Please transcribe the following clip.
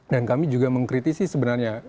dan kami juga mengkritisi sebenarnya